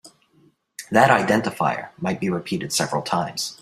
That identifier might be repeated several times.